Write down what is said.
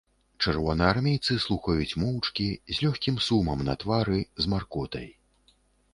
Чырвонаармейцы слухаюць моўчкі, з лёгкім сумам на твары, з маркотай.